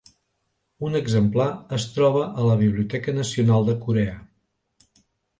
Un exemplar es troba a la Biblioteca Nacional de Corea.